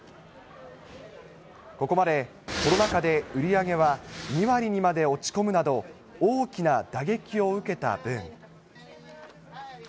ここまで、コロナ禍で売り上げは２割にまで落ち込むなど、大きな打撃を受けた分。